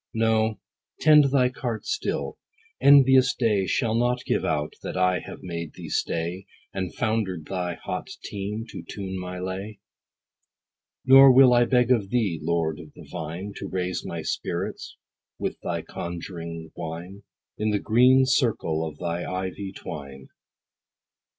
No, tend thy cart still. Envious day Shall not give out that I have made thee stay, And founder'd thy hot team, to tune my lay. Nor will I beg of thee, Lord of the vine, To raise my spirits with thy conjuring wine, In the green circle of thy ivy twine.